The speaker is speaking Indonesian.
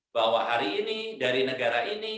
bahwa hari ini dari negara ini